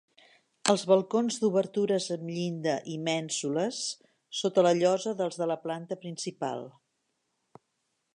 Els balcons d'obertures amb llinda i mènsules sota la llosa dels de la planta principal.